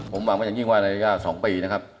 ผมหวังว่าจะยิ่งว่านาฬิกาสองปีนะครับ